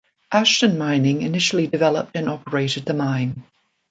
Ashton mining initially developed and operated the mine.